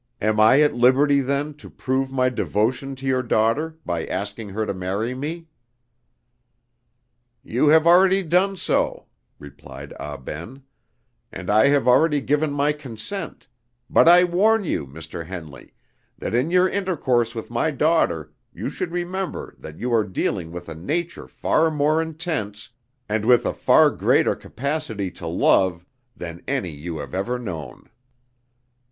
"Am I at liberty, then, to prove my devotion to your daughter by asking her to marry me?" "You have already done so," replied Ah Ben, "and I have already given my consent; but I warn you, Mr. Henley, that in your intercourse with my daughter you should remember that you are dealing with a nature far more intense, and with far greater capacity to love, than any you have ever known.